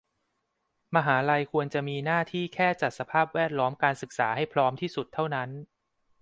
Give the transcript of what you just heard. มหาลัยควรจะมีหน้าที่แค่จัดสภาพแวดล้อมการศึกษาให้พร้อมที่สุดเท่านั้น